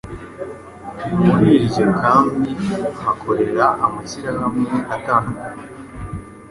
Muri iryo kambi, hakorera amashirahamwe atandukanye,